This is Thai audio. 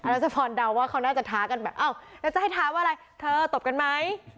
รัชพรเดาว่าเขาน่าจะท้ากันแบบอ้าวแล้วจะให้ท้าว่าอะไรเธอตบกันไหม